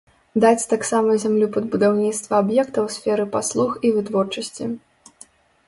Даць таксама зямлю пад будаўніцтва аб'ектаў сферы паслуг і вытворчасці.